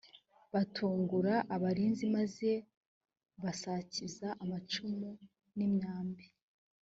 batungura abarinzi maze basakiza amacumu n’imyambi